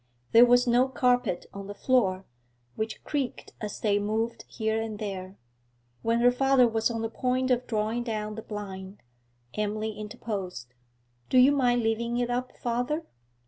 There was no carpet on the floor, which creaked as they moved here and there. When her father was on the point of drawing down the blind, Emily interposed. 'Do you mind leaving it up, father?'